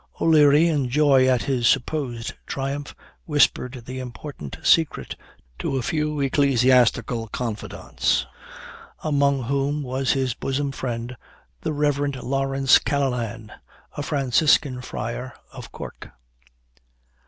O'Leary, in joy at his supposed triumph, whispered the important secret to a few ecclesiastical confidants; among whom was his bosom friend, the Rev. Lawrence Callanan, a Francisan friar, of Cork.